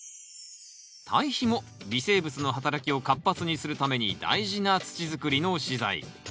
堆肥も微生物の働きを活発にするために大事な土づくりの資材。